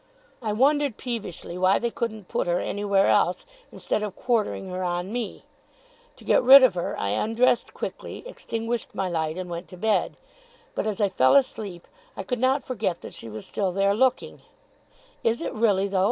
I wondered peevishly why they couldn't put her anywhere else instead of quartering her on me. To get rid of her, I undressed quickly, extinguished my light, and went to bed. But, as I fell asleep, I could not forget that she was still there looking, 'Is it really, though?